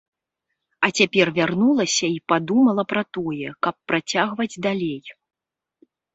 А цяпер вярнулася і падумала пра тое, каб працягваць далей.